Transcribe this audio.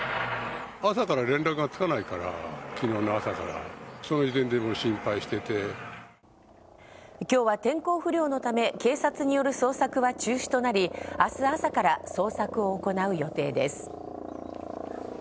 朝から連絡がつかないから、きのうの朝から、それで、きょうは天候不良のため、警察による捜索は中止となり、あす朝から捜索を行う予定です。